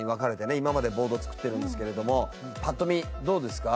今までボードを作ってるんですけれどもパッと見どうですか？